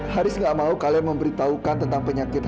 haris tidak mau kalian memberitahukan tentang penyakit haris